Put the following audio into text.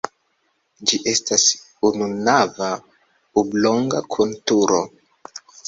Ĝi estas ununava oblonga kun turo.